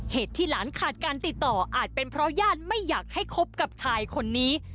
เหตุที่หลานขาดการติดต่ออาจเป็นเพราะญาติไม่อยากให้คบกับชายคนนี้